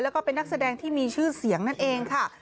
แล้วก็เป็นนักแสดงที่มีชื่อเสียงนั่นเองค่ะ